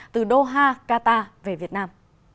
từ doha qatar về việt nam